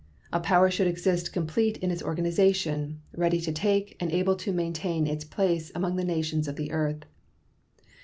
A power should exist complete in its organization, ready to take and able to maintain its place among the nations of the earth.